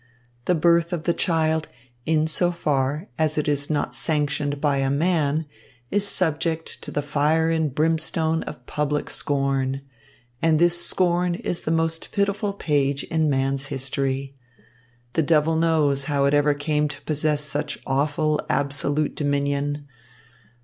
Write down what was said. The birth of the child, in so far as it is not sanctioned by a man, is subject to the fire and brimstone of public scorn. And this scorn is the most pitiful page in man's history. The devil knows how it ever came to possess such awful, absolute dominion.